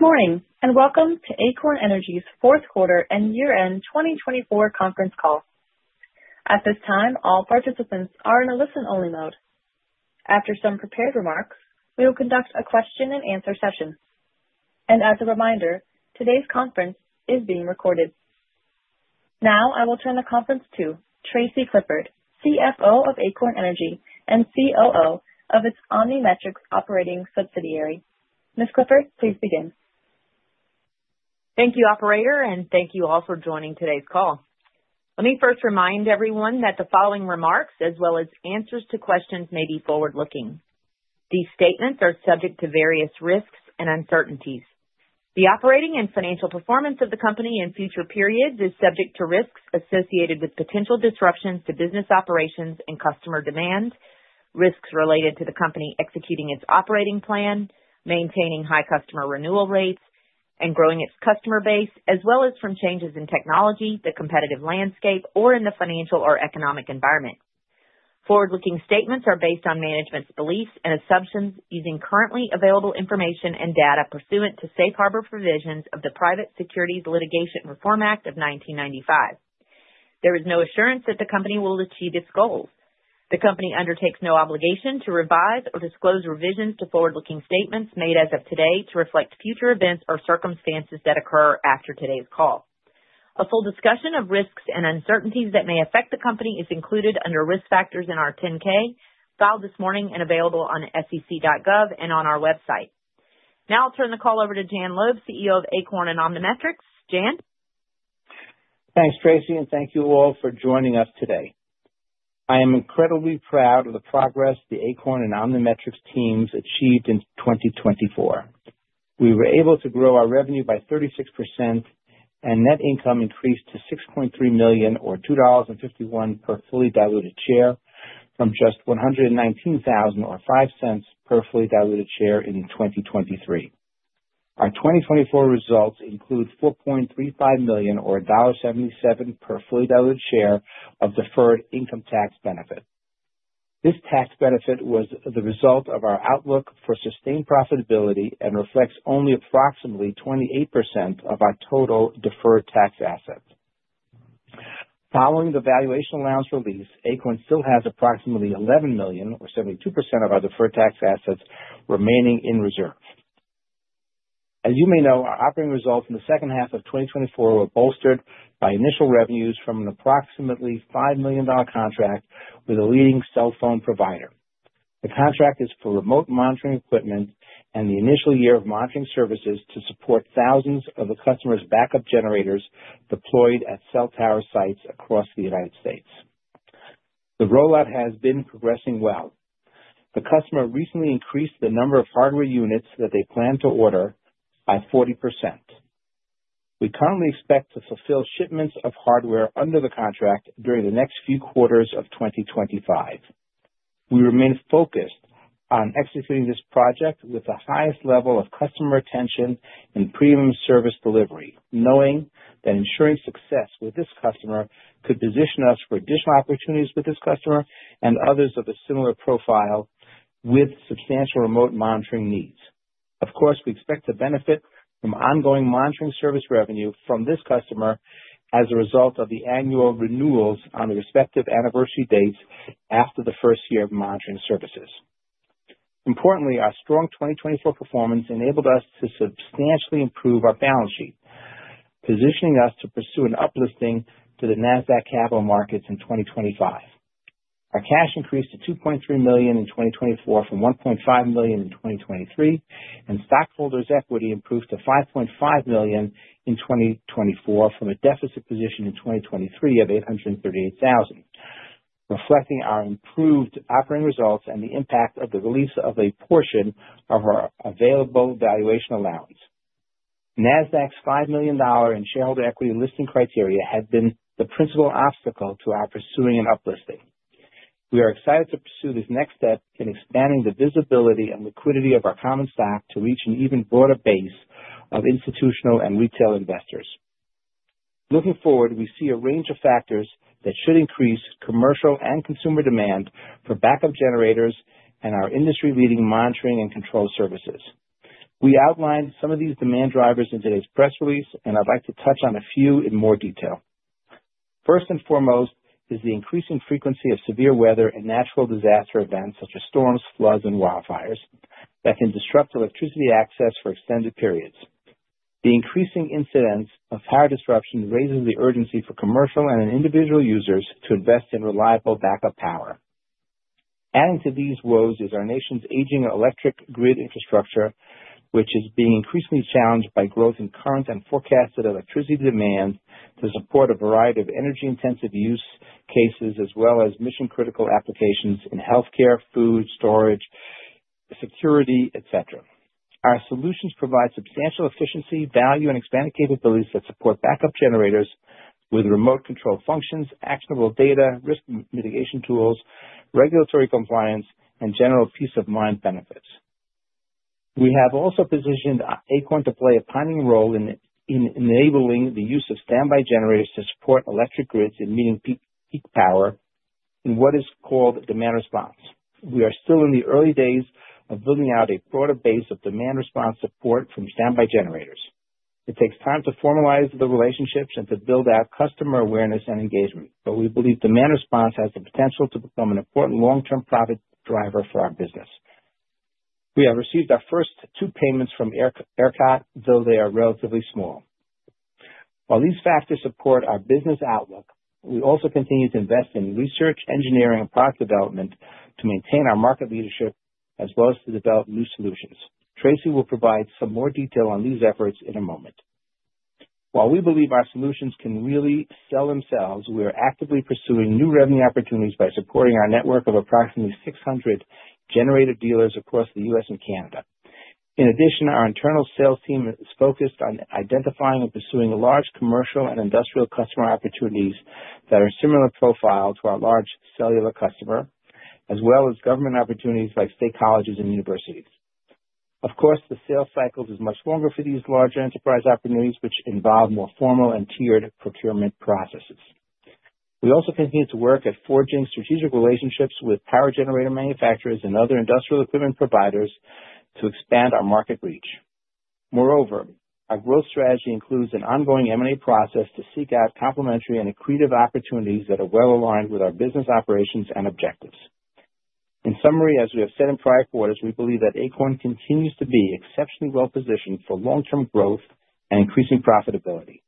Good morning and welcome to Acorn Energy's fourth quarter and year-end 2024 conference call. At this time, all participants are in a listen-only mode. After some prepared remarks, we will conduct a question-and-answer session. As a reminder, today's conference is being recorded. Now I will turn the conference to Tracy Clifford, CFO of Acorn Energy and COO of its OmniMetrics operating subsidiary. Ms. Clifford, please begin. Thank you, Operator, and thank you all for joining today's call. Let me first remind everyone that the following remarks, as well as answers to questions, may be forward-looking. These statements are subject to various risks and uncertainties. The operating and financial performance of the company in future periods is subject to risks associated with potential disruptions to business operations and customer demand, risks related to the company executing its operating plan, maintaining high customer renewal rates, and growing its customer base, as well as from changes in technology, the competitive landscape, or in the financial or economic environment. Forward-looking statements are based on management's beliefs and assumptions using currently available information and data pursuant to safe harbor provisions of the Private Securities Litigation Reform Act of 1995. There is no assurance that the company will achieve its goals. The company undertakes no obligation to revise or disclose revisions to forward-looking statements made as of today to reflect future events or circumstances that occur after today's call. A full discussion of risks and uncertainties that may affect the company is included under risk factors in our 10-K, filed this morning and available on sec.gov and on our website. Now I'll turn the call over to Jan Loeb, CEO of Acorn and OmniMetrics. Jan? Thanks, Tracy, and thank you all for joining us today. I am incredibly proud of the progress the Acorn and OmniMetrics teams achieved in 2024. We were able to grow our revenue by 36%, and net income increased to $6.3 million, or $2.51 per fully diluted share, from just $119, or $0.05 per fully diluted share in 2023. Our 2024 results include $4.35 million, or $1.77 per fully diluted share, of deferred income tax benefit. This tax benefit was the result of our outlook for sustained profitability and reflects only approximately 28% of our total deferred tax assets. Following the valuation allowance release, Acorn still has approximately $11 million, or 72% of our deferred tax assets, remaining in reserve. As you may know, our operating results in the second half of 2024 were bolstered by initial revenues from an approximately $5 million contract with a leading cell phone provider. The contract is for remote monitoring equipment and the initial year of monitoring services to support thousands of the customer's backup generators deployed at cell tower sites across the United States. The rollout has been progressing well. The customer recently increased the number of hardware units that they plan to order by 40%. We currently expect to fulfill shipments of hardware under the contract during the next few quarters of 2025. We remain focused on executing this project with the highest level of customer retention and premium service delivery, knowing that ensuring success with this customer could position us for additional opportunities with this customer and others of a similar profile with substantial remote monitoring needs. Of course, we expect to benefit from ongoing monitoring service revenue from this customer as a result of the annual renewals on the respective anniversary dates after the first year of monitoring services. Importantly, our strong 2024 performance enabled us to substantially improve our balance sheet, positioning us to pursue an uplisting to the Nasdaq Capital Markets in 2025. Our cash increased to $2.3 million in 2024 from $1.5 million in 2023, and stockholders' equity improved to $5.5 million in 2024 from a deficit position in 2023 of $838,000, reflecting our improved operating results and the impact of the release of a portion of our available valuation allowance. Nasdaq's $5 million in shareholder equity listing criteria had been the principal obstacle to our pursuing an up listing. We are excited to pursue this next step in expanding the visibility and liquidity of our common stock to reach an even broader base of institutional and retail investors. Looking forward, we see a range of factors that should increase commercial and consumer demand for backup generators and our industry-leading monitoring and control services. We outlined some of these demand drivers in today's press release, and I'd like to touch on a few in more detail. First and foremost is the increasing frequency of severe weather and natural disaster events such as storms, floods, and wildfires that can disrupt electricity access for extended periods. The increasing incidence of power disruption raises the urgency for commercial and individual users to invest in reliable backup power. Adding to these woes is our nation's aging electric grid infrastructure, which is being increasingly challenged by growth in current and forecasted electricity demand to support a variety of energy-intensive use cases, as well as mission-critical applications in healthcare, food storage, security, etc. Our solutions provide substantial efficiency, value, and expanded capabilities that support backup generators with remote control functions, actionable data, risk mitigation tools, regulatory compliance, and general peace of mind benefits. We have also positioned Acorn to play a pioneering role in enabling the use of standby generators to support electric grids in meeting peak power in what is called demand response. We are still in the early days of building out a broader base of demand response support from standby generators. It takes time to formalize the relationships and to build out customer awareness and engagement, but we believe demand response has the potential to become an important long-term profit driver for our business. We have received our first two payments from ERCOT, though they are relatively small. While these factors support our business outlook, we also continue to invest in research, engineering, and product development to maintain our market leadership, as well as to develop new solutions. Tracy will provide some more detail on these efforts in a moment. While we believe our solutions can really sell themselves, we are actively pursuing new revenue opportunities by supporting our network of approximately 600 generator dealers across the U.S. and Canada. In addition, our internal sales team is focused on identifying and pursuing large commercial and industrial customer opportunities that are similar profiles to our large cellular customer, as well as government opportunities like state colleges and universities. Of course, the sales cycle is much longer for these larger enterprise opportunities, which involve more formal and tiered procurement processes. We also continue to work at forging strategic relationships with power generator manufacturers and other industrial equipment providers to expand our market reach. Moreover, our growth strategy includes an ongoing M&A process to seek out complementary and accretive opportunities that are well aligned with our business operations and objectives. In summary, as we have said in prior quarters, we believe that Acorn continues to be exceptionally well positioned for long-term growth and increasing profitability.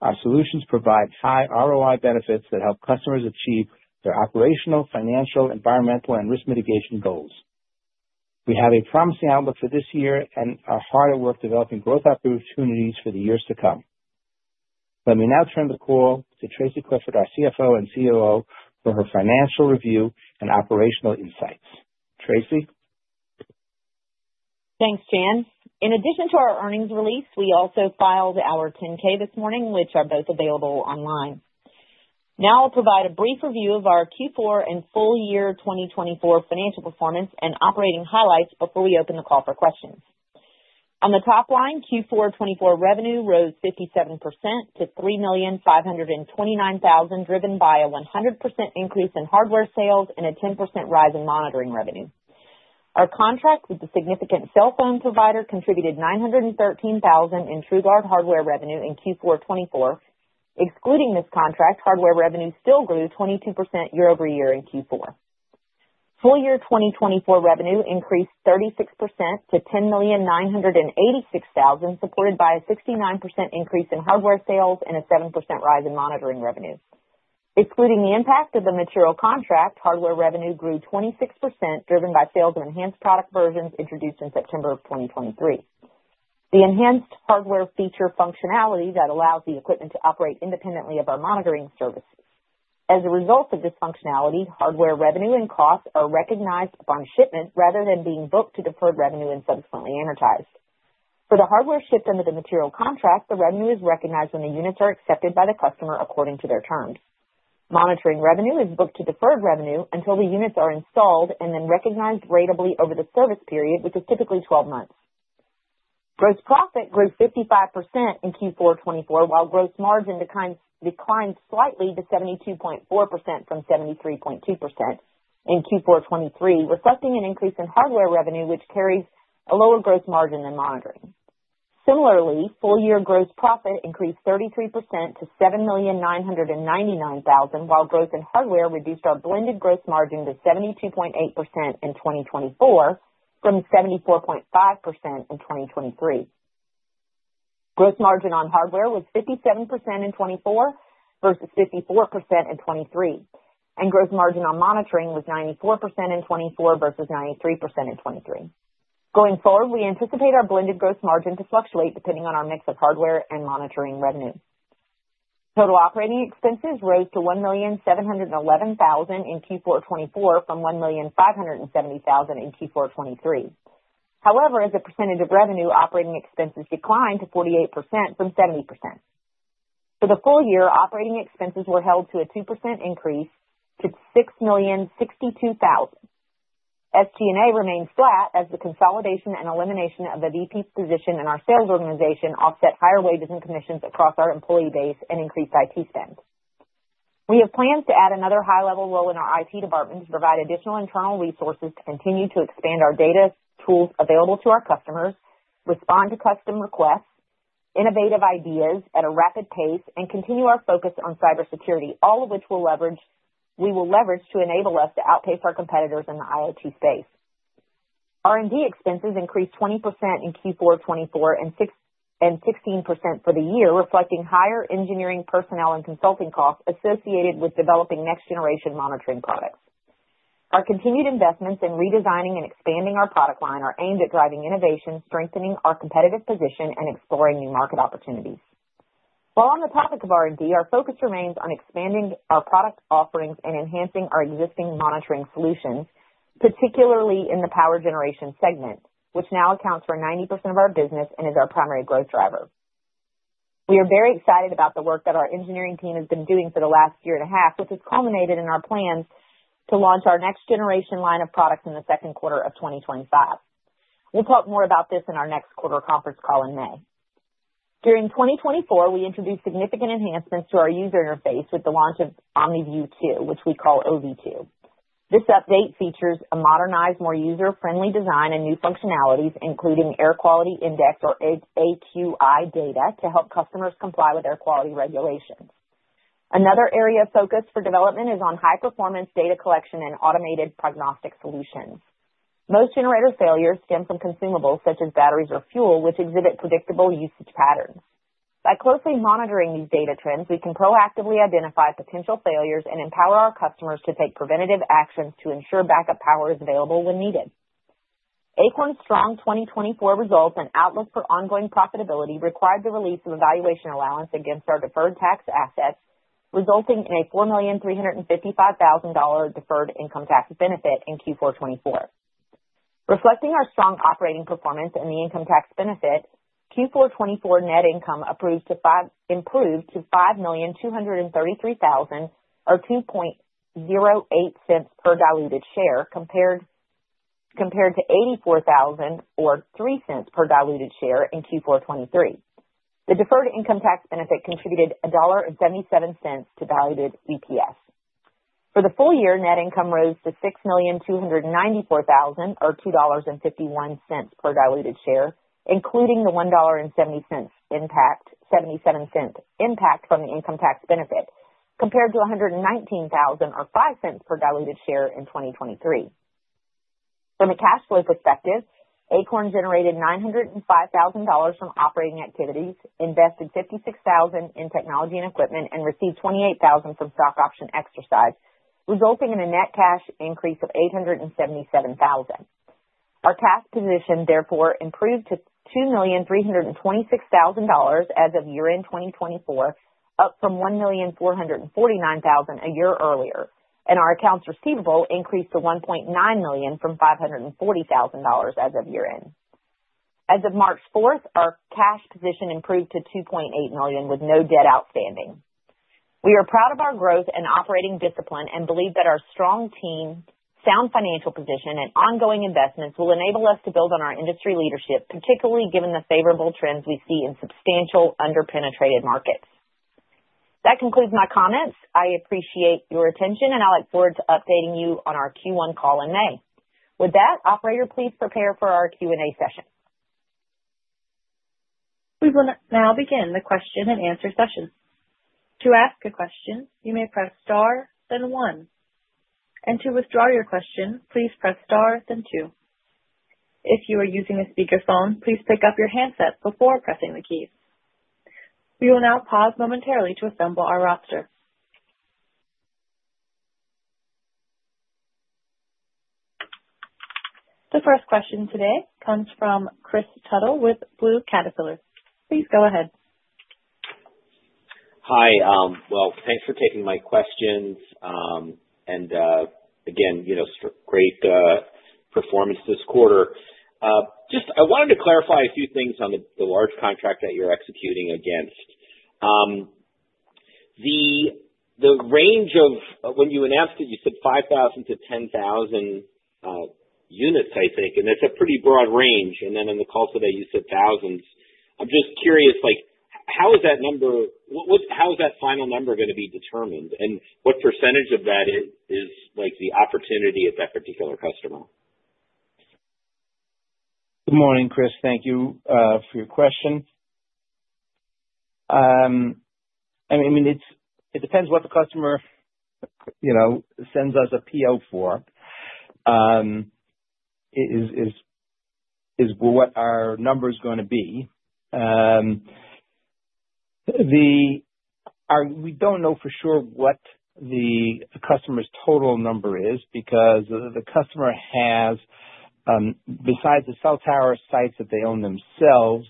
Our solutions provide high ROI benefits that help customers achieve their operational, financial, environmental, and risk mitigation goals. We have a promising outlook for this year and are hard at work developing growth opportunities for the years to come. Let me now turn the call to Tracy Clifford, our CFO and COO, for her financial review and operational insights. Tracy? Thanks, Jan. In addition to our earnings release, we also filed our 10-K this morning, which are both available online. Now I'll provide a brief review of our Q4 and full year 2024 financial performance and operating highlights before we open the call for questions. On the top line, Q4 2024 revenue rose 57% to $3,529,000, driven by a 100% increase in hardware sales and a 10% rise in monitoring revenue. Our contract with the significant cell phone provider contributed $913,000 in True Guard hardware revenue in Q4 2024. Excluding this contract, hardware revenue still grew 22% year over year in Q4. Full year 2024 revenue increased 36% to $10,986,000, supported by a 69% increase in hardware sales and a 7% rise in monitoring revenue. Excluding the impact of the material contract, hardware revenue grew 26%, driven by sales of enhanced product versions introduced in September of 2023. The enhanced hardware feature functionality that allows the equipment to operate independently of our monitoring services. As a result of this functionality, hardware revenue and costs are recognized upon shipment rather than being booked to deferred revenue and subsequently amortized. For the hardware shipped under the material contract, the revenue is recognized when the units are accepted by the customer according to their terms. Monitoring revenue is booked to deferred revenue until the units are installed and then recognized ratably over the service period, which is typically 12 months. Gross profit grew 55% in Q4 2024, while gross margin declined slightly to 72.4% from 73.2% in Q4 2023, reflecting an increase in hardware revenue, which carries a lower gross margin than monitoring. Similarly, full year gross profit increased 33% to $7,999,000, while growth in hardware reduced our blended gross margin to 72.8% in 2024 from 74.5% in 2023. Gross margin on hardware was 57% in 2024 versus 54% in 2023, and gross margin on monitoring was 94% in 2024 versus 93% in 2023. Going forward, we anticipate our blended gross margin to fluctuate depending on our mix of hardware and monitoring revenue. Total operating expenses rose to $1,711,000 in Q4 2024 from $1,570,000 in Q4 2023. However, as a percentage of revenue, operating expenses declined to 48% from 70%. For the full year, operating expenses were held to a 2% increase to $6,062,000. SG&A remained flat as the consolidation and elimination of the VP position in our sales organization offset higher wages and commissions across our employee base and increased IT spend. We have plans to add another high-level role in our IT department to provide additional internal resources to continue to expand our data tools available to our customers, respond to custom requests, innovative ideas at a rapid pace, and continue our focus on cybersecurity, all of which we will leverage to enable us to outpace our competitors in the IoT space. R&D expenses increased 20% in Q4 2024 and 16% for the year, reflecting higher engineering, personnel, and consulting costs associated with developing next-generation monitoring products. Our continued investments in redesigning and expanding our product line are aimed at driving innovation, strengthening our competitive position, and exploring new market opportunities. While on the topic of R&D, our focus remains on expanding our product offerings and enhancing our existing monitoring solutions, particularly in the power generation segment, which now accounts for 90% of our business and is our primary growth driver. We are very excited about the work that our engineering team has been doing for the last year and a half, which has culminated in our plans to launch our next-generation line of products in the second quarter of 2025. We will talk more about this in our next quarter conference call in May. During 2024, we introduced significant enhancements to our user interface with the launch of OmniView 2, which we call OV2. This update features a modernized, more user-friendly design and new functionalities, including Air Quality Index, or AQI, data to help customers comply with air quality regulations. Another area of focus for development is on high-performance data collection and automated prognostic solutions. Most generator failures stem from consumables such as batteries or fuel, which exhibit predictable usage patterns. By closely monitoring these data trends, we can proactively identify potential failures and empower our customers to take preventative actions to ensure backup power is available when needed. Acorn's strong 2024 results and outlook for ongoing profitability required the release of valuation allowance against our deferred tax assets, resulting in a $4,355,000 deferred income tax benefit in Q4 2024. Reflecting our strong operating performance and the income tax benefit, Q4 2024 net income improved to $5,233,000, or $0.0208 per diluted share, compared to $84,000, or $0.03 per diluted share in Q4 2023. The deferred income tax benefit contributed $1.77 to diluted EPS. For the full year, net income rose to $6,294,000, or $2.51 per diluted share, including the $1.70 impact from the income tax benefit, compared to $119,000, or $0.05 per diluted share in 2023. From a cash flow perspective, Acorn generated $905,000 from operating activities, invested $56,000 in technology and equipment, and received $28,000 from stock option exercise, resulting in a net cash increase of $877,000. Our cash position, therefore, improved to $2,326,000 as of year-end 2024, up from $1,449,000 a year earlier, and our accounts receivable increased to $1.9 million from $540,000 as of year-end. As of March 4, our cash position improved to $2.8 million, with no debt outstanding. We are proud of our growth and operating discipline and believe that our strong team, sound financial position, and ongoing investments will enable us to build on our industry leadership, particularly given the favorable trends we see in substantial underpenetrated markets. That concludes my comments. I appreciate your attention, and I'll look forward to updating you on our Q1 call in May. With that, operator, please prepare for our Q&A session. We will now begin the question-and-answer session. To ask a question, you may press star, then one. To withdraw your question, please press star, then two. If you are using a speakerphone, please pick up your handset before pressing the keys. We will now pause momentarily to assemble our roster. The first question today comes from Kris Tuttle with Blue Caterpillar. Please go ahead. Hi. Thanks for taking my questions. Again, great performance this quarter. I wanted to clarify a few things on the large contract that you're executing against. The range of when you announced it, you said 5,000-10,000 units, I think, and that's a pretty broad range. In the call today, you said thousands. I'm just curious, how is that number, how is that final number going to be determined, and what percentage of that is the opportunity at that particular customer? Good morning, Kris. Thank you for your question. I mean, it depends what the customer sends us a PO for is what our number is going to be. We do not know for sure what the customer's total number is because the customer has, besides the cell tower sites that they own themselves,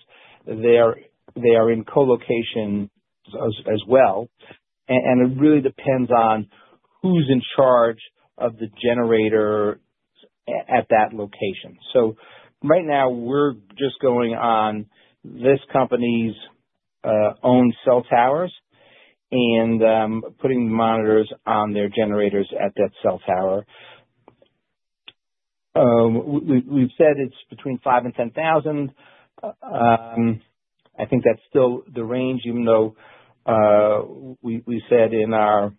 they are in co-location as well. It really depends on who is in charge of the generator at that location. Right now, we are just going on this company's own cell towers and putting monitors on their generators at that cell tower. We have said it is between 5,000 and 10,000. I think that is still the range, even though we said in our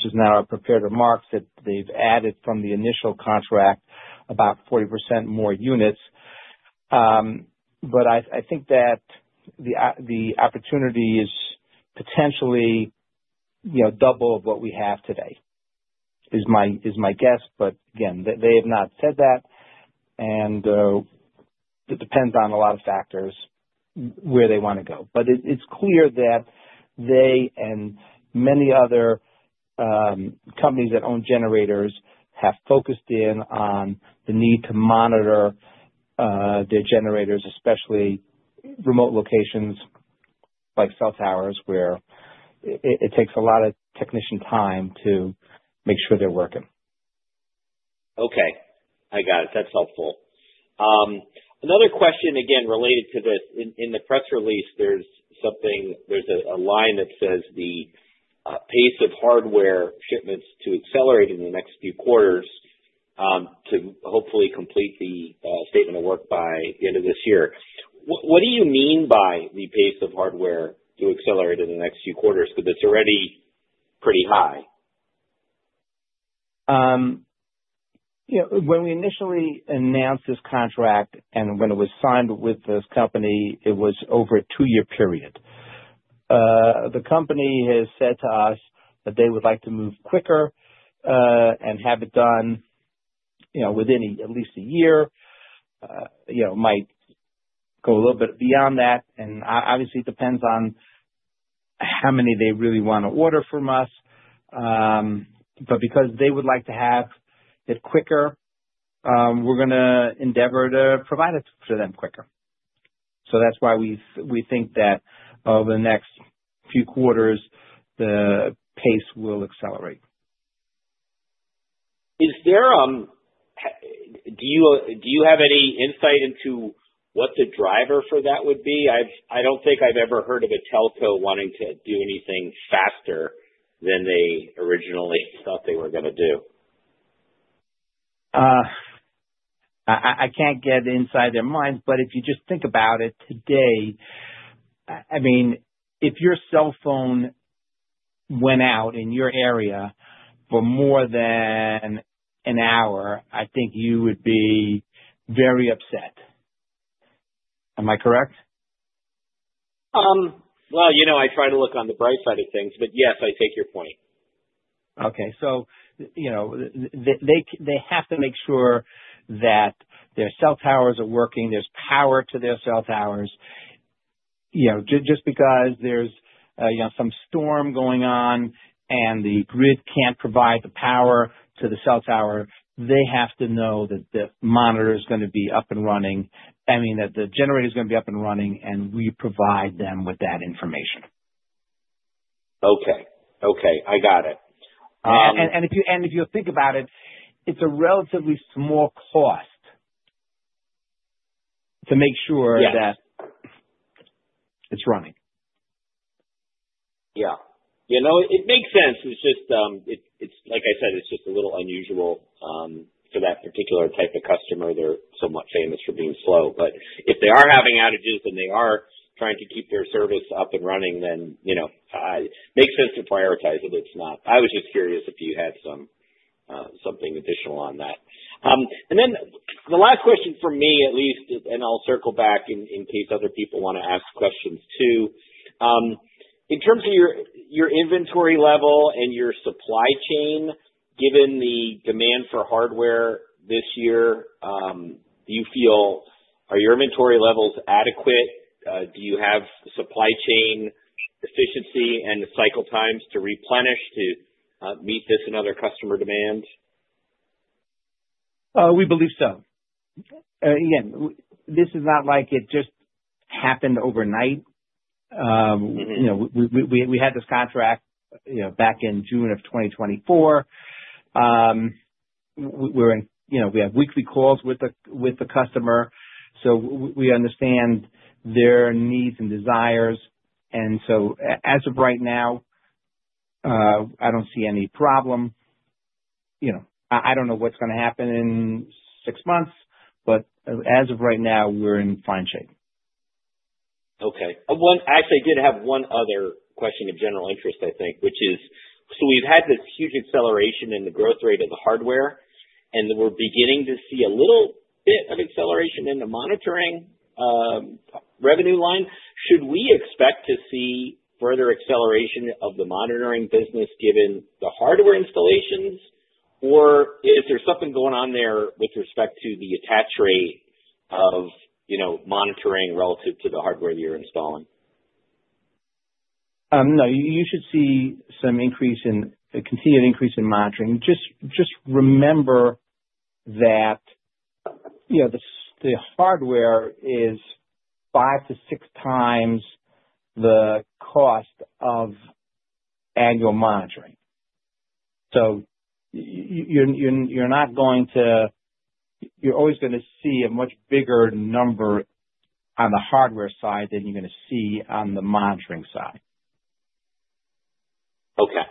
just now, our prepared remarks that they have added from the initial contract about 40% more units. I think that the opportunity is potentially double of what we have today is my guess. Again, they have not said that. It depends on a lot of factors where they want to go. It is clear that they and many other companies that own generators have focused in on the need to monitor their generators, especially remote locations like cell towers, where it takes a lot of technician time to make sure they are working. Okay. I got it. That's helpful. Another question, again, related to this. In the press release, there's a line that says the pace of hardware shipments to accelerate in the next few quarters to hopefully complete the statement of work by the end of this year. What do you mean by the pace of hardware to accelerate in the next few quarters? Because it's already pretty high. When we initially announced this contract and when it was signed with this company, it was over a two-year period. The company has said to us that they would like to move quicker and have it done within at least a year. It might go a little bit beyond that. Obviously, it depends on how many they really want to order from us. Because they would like to have it quicker, we're going to endeavor to provide it to them quicker. That is why we think that over the next few quarters, the pace will accelerate. Do you have any insight into what the driver for that would be? I don't think I've ever heard of a telco wanting to do anything faster than they originally thought they were going to do. I can't get inside their minds. If you just think about it today, I mean, if your cell phone went out in your area for more than an hour, I think you would be very upset. Am I correct? I try to look on the bright side of things, but yes, I take your point. Okay. They have to make sure that their cell towers are working, there's power to their cell towers. Just because there's some storm going on and the grid can't provide the power to the cell tower, they have to know that the monitor is going to be up and running, I mean, that the generator is going to be up and running, and we provide them with that information. Okay. Okay. I got it. If you think about it, it's a relatively small cost to make sure that it's running. Yeah. It makes sense. It's just, like I said, it's just a little unusual for that particular type of customer. They're somewhat famous for being slow. If they are having outages and they are trying to keep their service up and running, then it makes sense to prioritize it. It's not. I was just curious if you had something additional on that. The last question for me, at least, and I'll circle back in case other people want to ask questions too. In terms of your inventory level and your supply chain, given the demand for hardware this year, do you feel are your inventory levels adequate? Do you have supply chain efficiency and cycle times to replenish to meet this and other customer demands? We believe so. Again, this is not like it just happened overnight. We had this contract back in June of 2024. We have weekly calls with the customer. We understand their needs and desires. As of right now, I don't see any problem. I don't know what's going to happen in six months, but as of right now, we're in fine shape. Okay. I actually did have one other question of general interest, I think, which is, we have had this huge acceleration in the growth rate of the hardware, and we are beginning to see a little bit of acceleration in the monitoring revenue line. Should we expect to see further acceleration of the monitoring business given the hardware installations, or is there something going on there with respect to the attach rate of monitoring relative to the hardware that you are installing? No. You should see some increase in, you can see an increase in monitoring. Just remember that the hardware is five to six times the cost of annual monitoring. So you're not going to, you're always going to see a much bigger number on the hardware side than you're going to see on the monitoring side. Okay.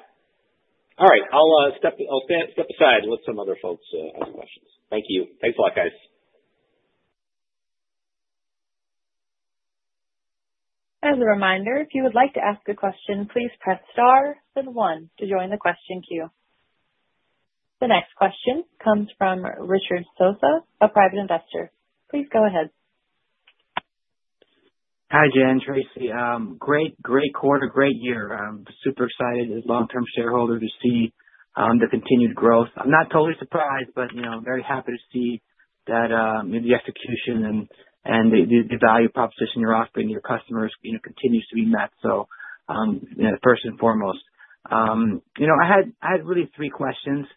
All right. I'll step aside and let some other folks ask questions. Thank you. Thanks a lot, guys. As a reminder, if you would like to ask a question, please press star, then one, to join the question queue. The next question comes from Richard Sosa, a private investor. Please go ahead. Hi, Jan, Tracy. Great quarter, great year. I'm super excited as a long-term shareholder to see the continued growth. I'm not totally surprised, but I'm very happy to see that the execution and the value proposition you're offering to your customers continues to be met. First and foremost, I had really three questions.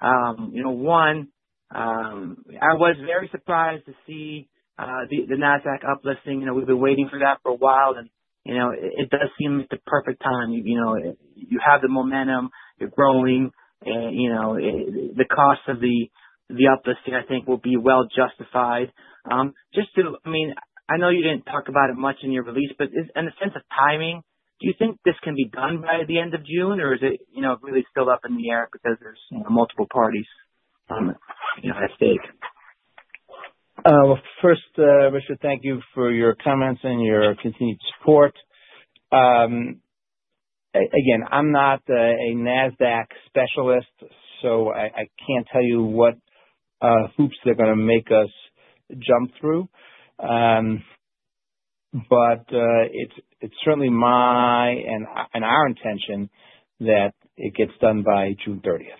One, I was very surprised to see the Nasdaq uplisting. We've been waiting for that for a while, and it does seem like the perfect time. You have the momentum, you're growing. The cost of the uplisting, I think, will be well justified. I know you didn't talk about it much in your release, but in the sense of timing, do you think this can be done by the end of June, or is it really still up in the air because there's multiple parties at stake? First, Richard, thank you for your comments and your continued support. Again, I'm not a Nasdaq specialist, so I can't tell you what hoops they're going to make us jump through. It is certainly my and our intention that it gets done by June 30th.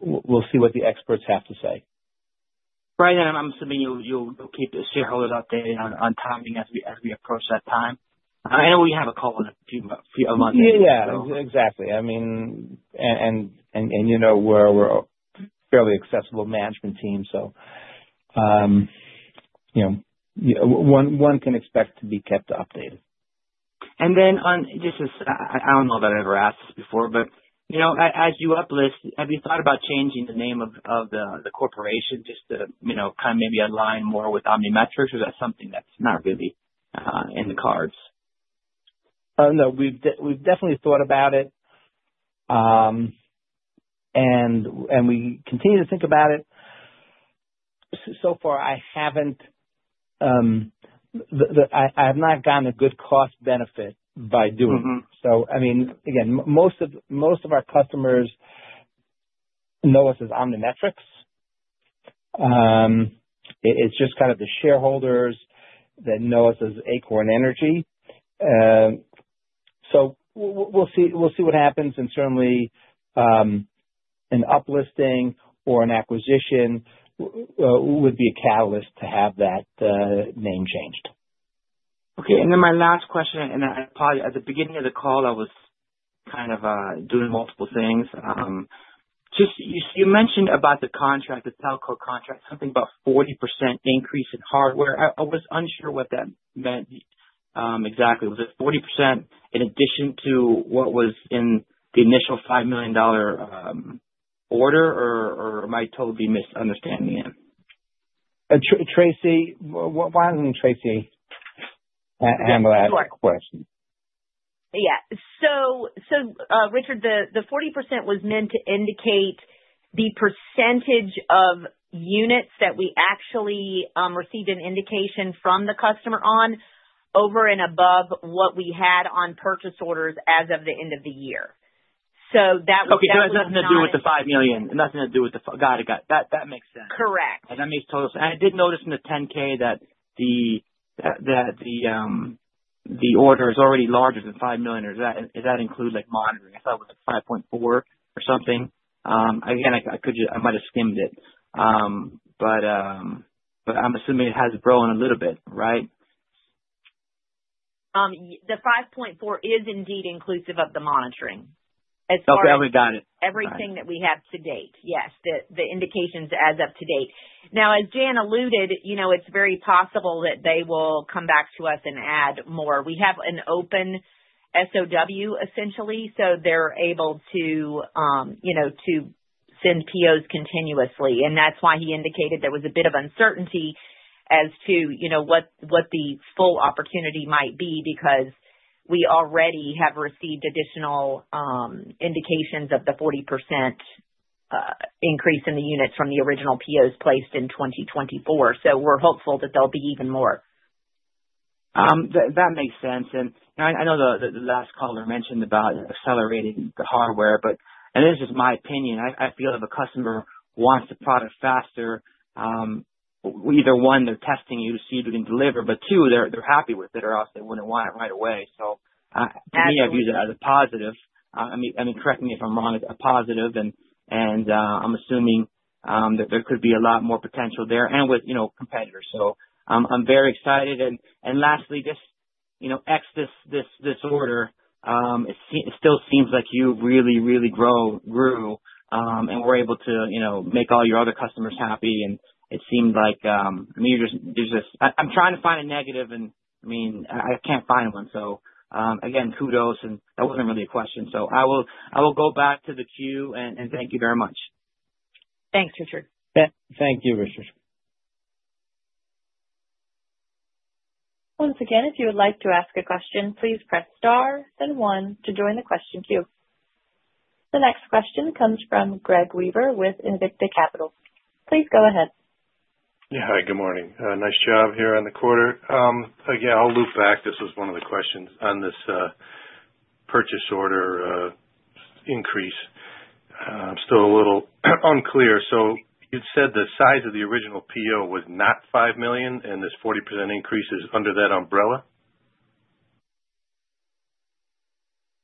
We'll see what the experts have to say. Right. I am assuming you'll keep the shareholders updated on timing as we approach that time. I know we have a call in a few months. Yeah. Yeah. Exactly. I mean, and we're a fairly accessible management team. So one can expect to be kept updated. I don't know if I've ever asked this before, but as you uplist, have you thought about changing the name of the corporation just to kind of maybe align more with OmniMetrics? Or is that something that's not really in the cards? No. We've definitely thought about it, and we continue to think about it. So far, I have not gotten a good cost-benefit by doing it. I mean, again, most of our customers know us as OmniMetrics. It's just kind of the shareholders that know us as Acorn Energy. We'll see what happens. Certainly, an uplisting or an acquisition would be a catalyst to have that name changed. Okay. My last question, and I apologize. At the beginning of the call, I was kind of doing multiple things. You mentioned about the contract, the telco contract, something about 40% increase in hardware. I was unsure what that meant exactly. Was it 40% in addition to what was in the initial $5 million order, or am I totally misunderstanding it? Tracy, why don't Tracy handle that question? Yeah. Richard, the 40% was meant to indicate the percentage of units that we actually received an indication from the customer on over and above what we had on purchase orders as of the end of the year. That was. Okay. It has nothing to do with the $5 million. Nothing to do with it. Got it. Got it. That makes sense. Correct. That makes total sense. I did notice in the 10K that the order is already larger than $5 million. Does that include monitoring? I thought it was $5.4 million or something. Again, I might have skimmed it. I'm assuming it has grown a little bit, right? The 5.4 is indeed inclusive of the monitoring as far as. Okay. We got it. Everything that we have to date. Yes. The indications as of today. Now, as Jan alluded, it's very possible that they will come back to us and add more. We have an open SOW, essentially. They are able to send POs continuously. That is why he indicated there was a bit of uncertainty as to what the full opportunity might be because we already have received additional indications of the 40% increase in the units from the original POs placed in 2024. We are hopeful that there will be even more. That makes sense. I know the last caller mentioned about accelerating the hardware. This is just my opinion. I feel if a customer wants the product faster, either one, they're testing to see if we can deliver, or two, they're happy with it or else they wouldn't want it right away. To me, I view that as a positive. I mean, correct me if I'm wrong. It's a positive. I'm assuming that there could be a lot more potential there and with competitors. I'm very excited. Lastly, just ex this order, it still seems like you really, really grew and were able to make all your other customers happy. It seemed like, I mean, I'm trying to find a negative, and I mean, I can't find one. Again, kudos. That wasn't really a question. I will go back to the queue and thank you very much. Thanks, Richard. Thank you, Richard. Once again, if you would like to ask a question, please press star, then one, to join the question queue. The next question comes from Greg Weaver with Invicta Capital. Please go ahead. Yeah. Hi. Good morning. Nice job here on the quarter. Again, I'll loop back. This was one of the questions on this purchase order increase. I'm still a little unclear. You'd said the size of the original PO was not $5 million, and this 40% increase is under that umbrella?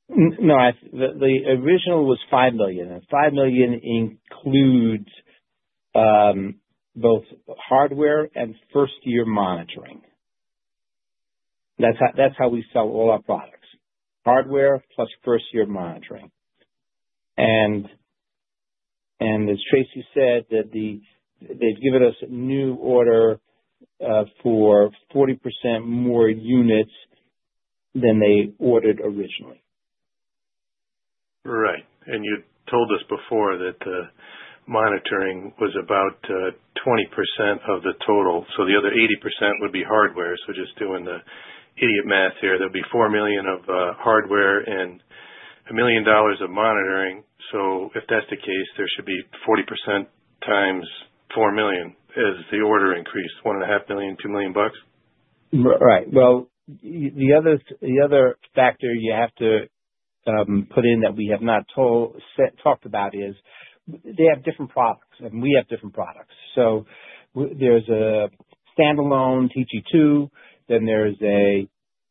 No. The original was $5 million. And $5 million includes both hardware and first-year monitoring. That's how we sell all our products. Hardware plus first-year monitoring. As Tracy said, they've given us a new order for 40% more units than they ordered originally. Right. You told us before that the monitoring was about 20% of the total. The other 80% would be hardware. Just doing the idiot math here, there will be $4 million of hardware and $1 million of monitoring. If that's the case, there should be 40% times $4 million as the order increased, $1.5 million, $2 million bucks? Right. The other factor you have to put in that we have not talked about is they have different products, and we have different products. There is a standalone TG2, then there is a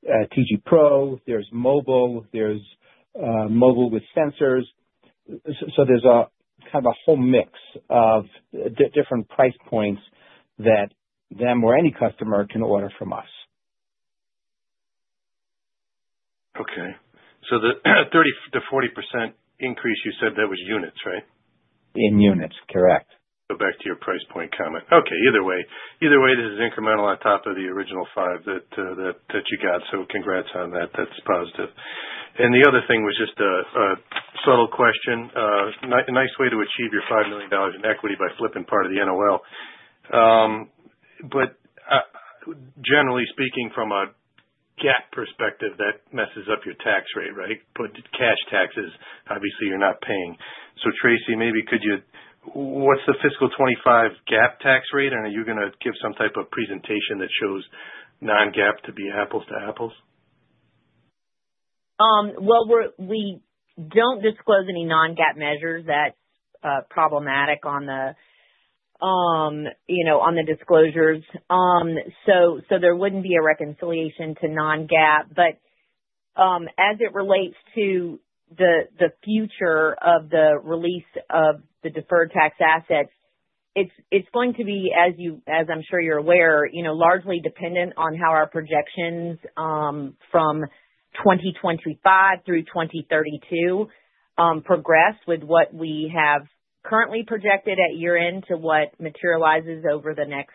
TG Pro, there is mobile, there is mobile with sensors. There is kind of a whole mix of different price points that them or any customer can order from us. Okay. The 30-40% increase, you said that was units, right? In units. Correct. Go back to your price point comment. Okay. Either way, this is incremental on top of the original five that you got. Congrats on that. That's positive. The other thing was just a subtle question. Nice way to achieve your $5 million in equity by flipping part of the NOL. Generally speaking, from a GAAP perspective, that messes up your tax rate, right? Cash taxes, obviously, you're not paying. Tracy, maybe could you, what's the fiscal 2025 GAAP tax rate, and are you going to give some type of presentation that shows non-GAAP to be apples to apples? We do not disclose any non-GAAP measures. That is problematic on the disclosures. There would not be a reconciliation to non-GAAP. As it relates to the future of the release of the deferred tax assets, it is going to be, as I am sure you are aware, largely dependent on how our projections from 2025 through 2032 progress with what we have currently projected at year-end to what materializes over the next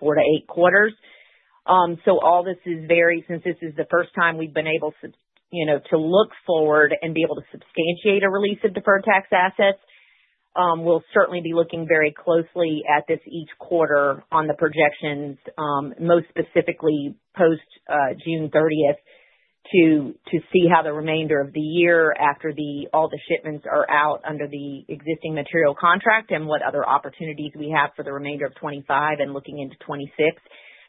four to eight quarters. All this is very, since this is the first time we've been able to look forward and be able to substantiate a release of deferred tax assets, we'll certainly be looking very closely at this each quarter on the projections, most specifically post-June 30, to see how the remainder of the year after all the shipments are out under the existing material contract and what other opportunities we have for the remainder of 2025 and looking into 2026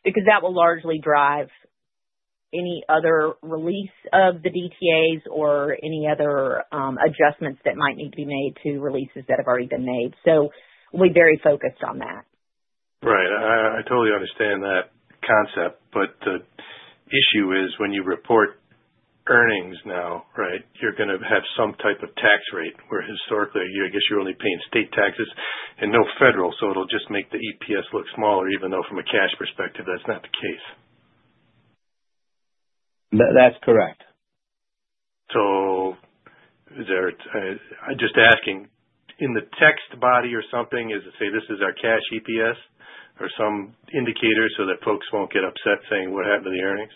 because that will largely drive any other release of the DTAs or any other adjustments that might need to be made to releases that have already been made. We'll be very focused on that. Right. I totally understand that concept. The issue is when you report earnings now, right, you're going to have some type of tax rate where historically, I guess you're only paying state taxes and no federal. It will just make the EPS look smaller, even though from a cash perspective, that's not the case. That's correct. Just asking, in the text body or something, is it, "Say, this is our cash EPS," or some indicator so that folks won't get upset saying, "What happened to the earnings?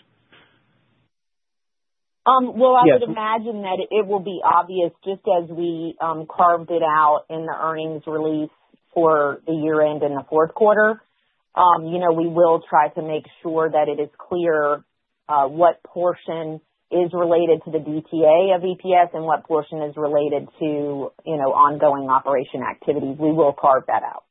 I would imagine that it will be obvious just as we carved it out in the earnings release for the year-end and the fourth quarter. We will try to make sure that it is clear what portion is related to the DTA of EPS and what portion is related to ongoing operation activity. We will carve that out.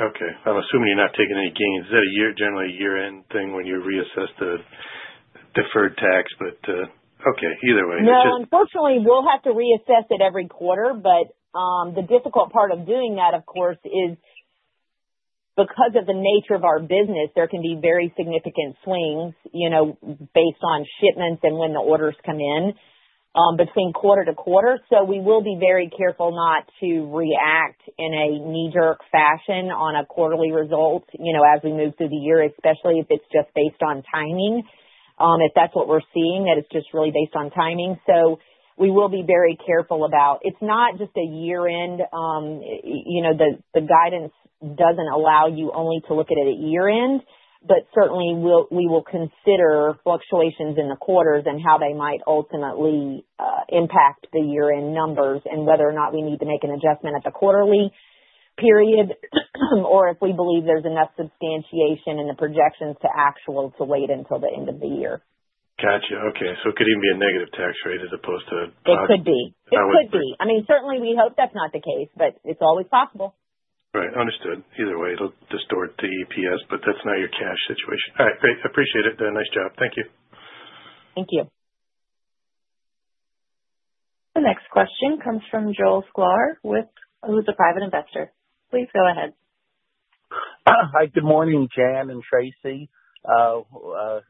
Okay. I'm assuming you're not taking any gains. Is that generally a year-end thing when you reassess the deferred tax? Okay. Either way. No. Unfortunately, we'll have to reassess it every quarter. The difficult part of doing that, of course, is because of the nature of our business, there can be very significant swings based on shipments and when the orders come in between quarter to quarter. We will be very careful not to react in a knee-jerk fashion on a quarterly result as we move through the year, especially if it's just based on timing. If that's what we're seeing, that it's just really based on timing. We will be very careful about it's not just a year-end. The guidance doesn't allow you only to look at it at year-end. Certainly, we will consider fluctuations in the quarters and how they might ultimately impact the year-end numbers and whether or not we need to make an adjustment at the quarterly period or if we believe there's enough substantiation in the projections to actual to wait until the end of the year. Gotcha. Okay. It could even be a negative tax rate as opposed to. It could be. That would be. It could be. I mean, certainly, we hope that's not the case, but it's always possible. Right. Understood. Either way, it'll distort the EPS. That's not your cash situation. All right. Great. Appreciate it. Nice job. Thank you. Thank you. The next question comes from Joel Schlar, who's a private investor. Please go ahead. Hi. Good morning, Jan and Tracy. I'll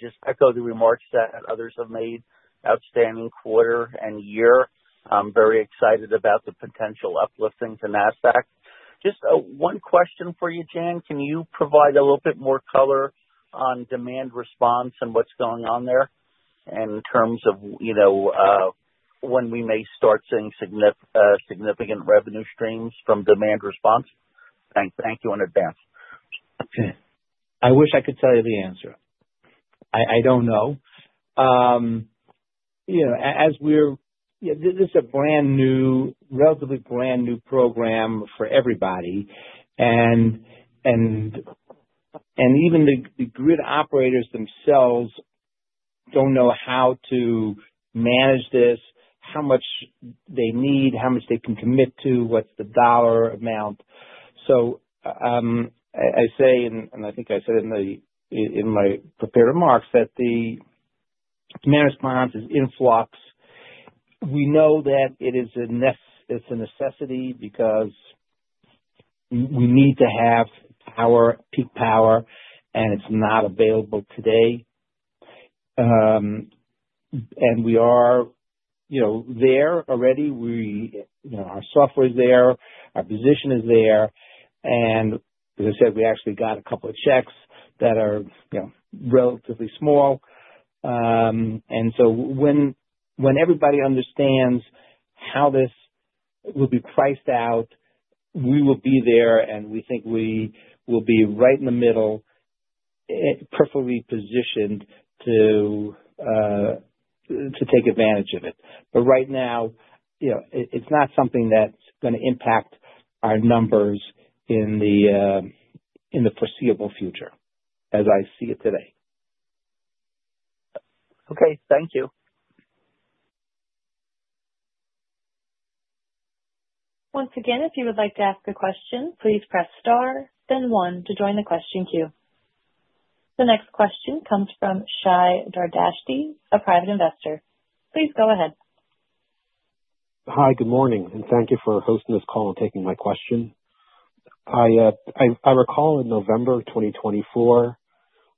just echo the remarks that others have made. Outstanding quarter and year. I'm very excited about the potential uplisting to NASDAQ. Just one question for you, Jan. Can you provide a little bit more color on demand response and what's going on there in terms of when we may start seeing significant revenue streams from demand response? Thank you in advance. Okay. I wish I could tell you the answer. I don't know. As we're this is a relatively brand new program for everybody. Even the grid operators themselves don't know how to manage this, how much they need, how much they can commit to, what's the dollar amount. I say, and I think I said in my prepared remarks, that the demand response is in flux. We know that it's a necessity because we need to have peak power, and it's not available today. We are there already. Our software's there. Our position is there. I said, we actually got a couple of checks that are relatively small. When everybody understands how this will be priced out, we will be there. We think we will be right in the middle, perfectly positioned to take advantage of it. Right now, it's not something that's going to impact our numbers in the foreseeable future as I see it today. Okay. Thank you. Once again, if you would like to ask a question, please press star, then one, to join the question queue. The next question comes from Shai Dardashti, a private investor. Please go ahead. Hi. Good morning. Thank you for hosting this call and taking my question. I recall in November of 2024,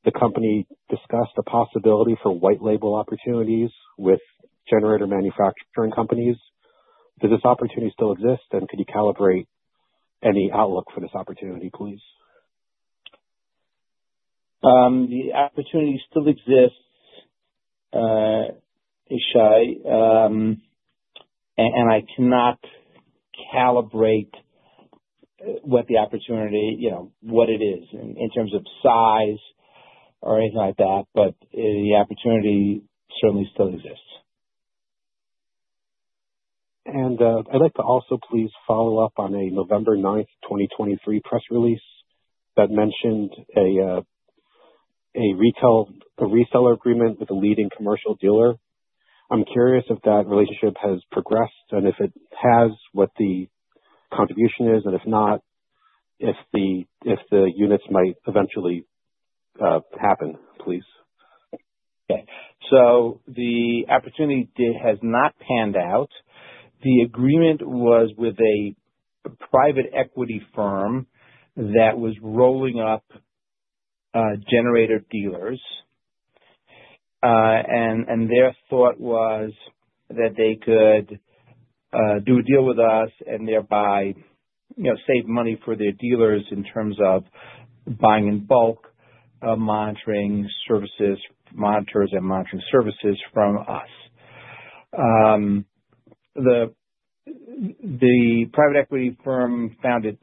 the company discussed the possibility for white-label opportunities with generator manufacturing companies. Does this opportunity still exist? Could you calibrate any outlook for this opportunity, please? The opportunity still exists, Shai. I cannot calibrate what the opportunity what it is in terms of size or anything like that. The opportunity certainly still exists. I'd like to also please follow up on a November 9, 2023, press release that mentioned a reseller agreement with a leading commercial dealer. I'm curious if that relationship has progressed and if it has, what the contribution is. If not, if the units might eventually happen, please. Okay. The opportunity has not panned out. The agreement was with a private equity firm that was rolling up generator dealers. Their thought was that they could do a deal with us and thereby save money for their dealers in terms of buying in bulk, monitors and monitoring services from us. The private equity firm found it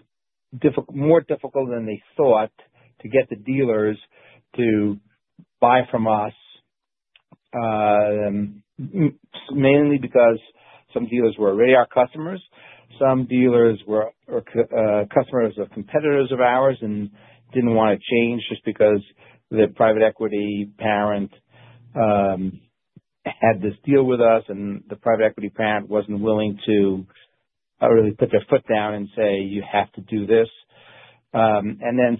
more difficult than they thought to get the dealers to buy from us, mainly because some dealers were already our customers. Some dealers were customers of competitors of ours and did not want to change just because the private equity parent had this deal with us. The private equity parent was not willing to really put their foot down and say, "You have to do this."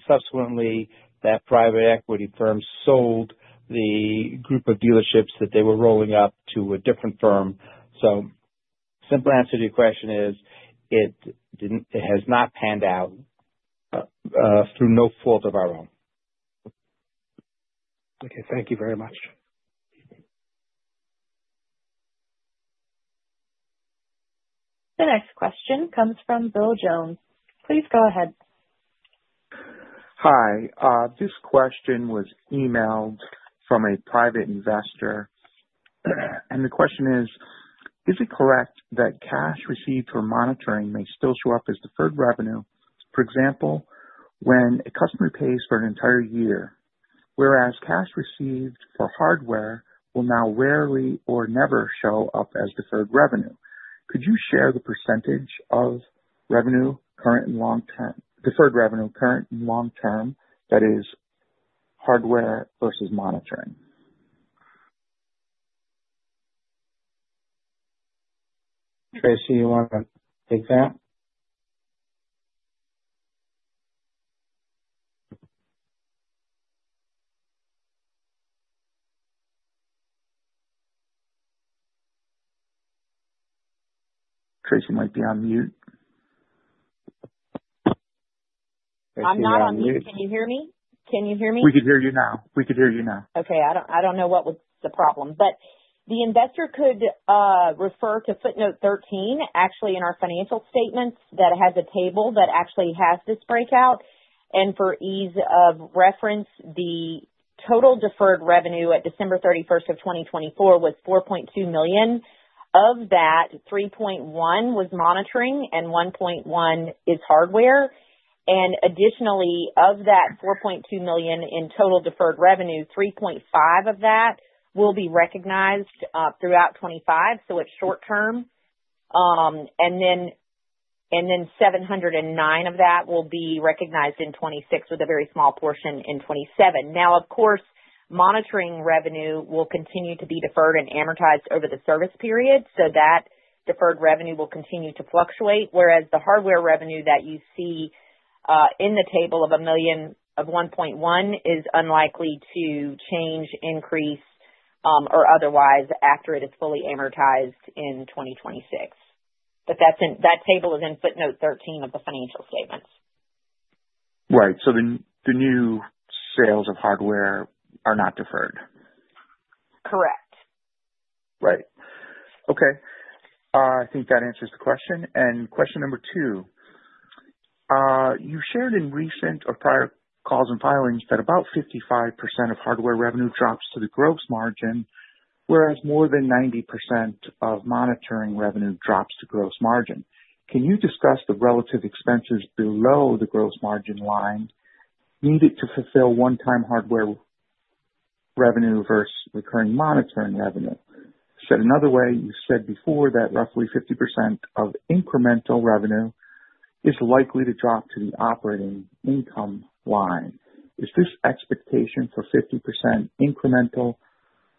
Subsequently, that private equity firm sold the group of dealerships that they were rolling up to a different firm. Simple answer to your question is it has not panned out through no fault of our own. Okay. Thank you very much. The next question comes from Bill Jones. Please go ahead. Hi. This question was emailed from a private investor. The question is, "Is it correct that cash received for monitoring may still show up as deferred revenue, for example, when a customer pays for an entire year, whereas cash received for hardware will now rarely or never show up as deferred revenue? Could you share the percentage of revenue current and long-term deferred revenue current and long-term, that is, hardware versus monitoring?" Tracy, you want to take that? Tracy might be on mute. I'm not on mute. Can you hear me? Can you hear me? We can hear you now. We can hear you now. Okay. I don't know what was the problem. But the investor could refer to footnote 13, actually, in our financial statements that has a table that actually has this breakout. For ease of reference, the total deferred revenue at December 31, 2024 was $4.2 million. Of that, $3.1 million was monitoring and $1.1 million is hardware. Additionally, of that $4.2 million in total deferred revenue, $3.5 million of that will be recognized throughout 2025. It is short-term. Then $709,000 of that will be recognized in 2026 with a very small portion in 2027. Now, of course, monitoring revenue will continue to be deferred and amortized over the service period. That deferred revenue will continue to fluctuate, whereas the hardware revenue that you see in the table of $1.1 million is unlikely to change, increase, or otherwise after it is fully amortized in 2026. That table is in footnote 13 of the financial statements. Right. So the new sales of hardware are not deferred? Correct. Right. Okay. I think that answers the question. Question number two, you've shared in recent or prior calls and filings that about 55% of hardware revenue drops to the gross margin, whereas more than 90% of monitoring revenue drops to gross margin. Can you discuss the relative expenses below the gross margin line needed to fulfill one-time hardware revenue versus recurring monitoring revenue? Said another way, you said before that roughly 50% of incremental revenue is likely to drop to the operating income line. Is this expectation for 50% incremental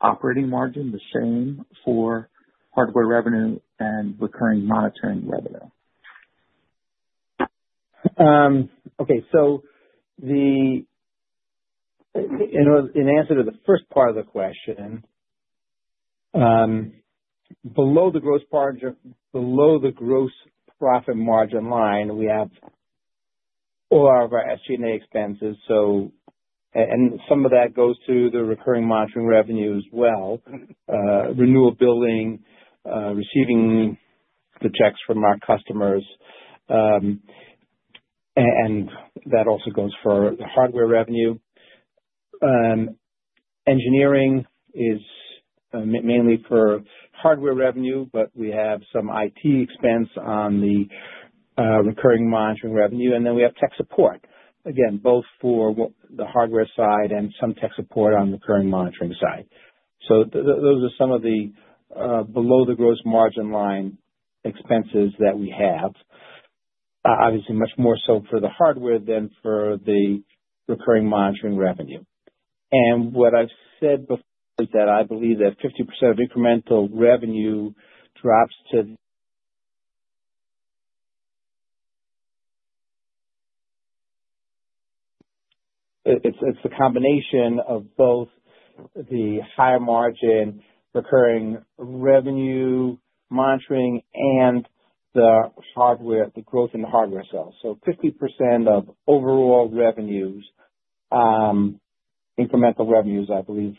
operating margin the same for hardware revenue and recurring monitoring revenue? Okay. In answer to the first part of the question, below the gross profit margin line, we have all of our SG&A expenses. Some of that goes to the recurring monitoring revenue as well: renewal billing, receiving the checks from our customers. That also goes for the hardware revenue. Engineering is mainly for hardware revenue, but we have some IT expense on the recurring monitoring revenue. We have tech support, again, both for the hardware side and some tech support on the recurring monitoring side. Those are some of the below-the-gross-margin line expenses that we have, obviously much more so for the hardware than for the recurring monitoring revenue. What I've said before is that I believe that 50% of incremental revenue drops to it's a combination of both the higher-margin recurring revenue, monitoring, and the growth in the hardware sales. Fifty percent of overall revenues, incremental revenues, I believe,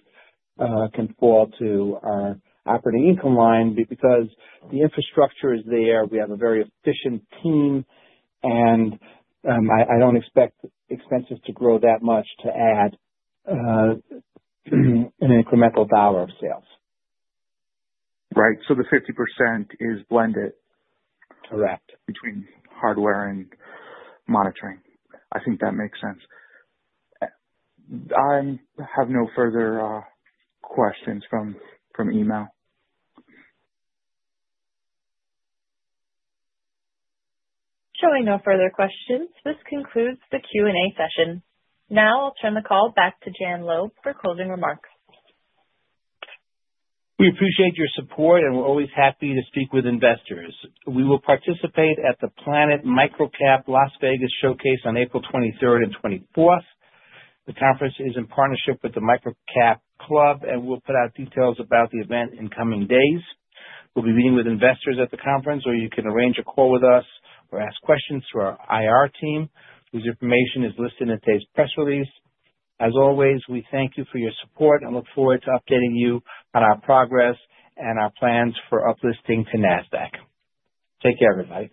can fall to our operating income line because the infrastructure is there. We have a very efficient team. I do not expect expenses to grow that much to add an incremental dollar of sales. Right. The 50% is blended between hardware and monitoring. I think that makes sense. I have no further questions from email. Showing no further questions, this concludes the Q&A session. Now I'll turn the call back to Jan Loeb for closing remarks. We appreciate your support, and we're always happy to speak with investors. We will participate at the Planet Microcap Las Vegas Showcase on April 23rd and 24th. The conference is in partnership with the Microcap Club, and we'll put out details about the event in coming days. We'll be meeting with investors at the conference, or you can arrange a call with us or ask questions through our IR team. This information is listed in today's press release. As always, we thank you for your support and look forward to updating you on our progress and our plans for uplisting to Nasdaq. Take care, everybody.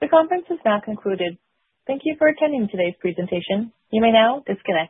The conference is now concluded. Thank you for attending today's presentation. You may now disconnect.